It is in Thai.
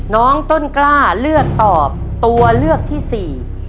น้องต้นกล้าเลือกตอบตัวเลือกที่สี่